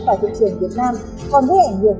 vào thương trường việt nam còn gây ảnh hưởng